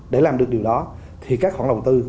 để làm được điều đó thì các khoản đầu tư